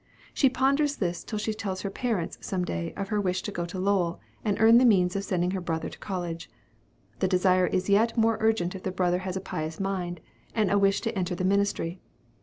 She ponders this till she tells her parents, some day, of her wish to go to Lowell, and earn the means of sending her brother to college. The desire is yet more urgent if the brother has a pious mind, and a wish to enter the ministry.